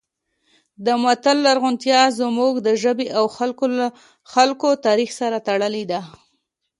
د متل لرغونتیا زموږ د ژبې او خلکو تاریخ سره تړلې ده